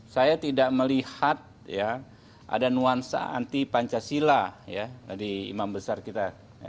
saya tidak melihat ada nuansa anti pancasila di imam besar kita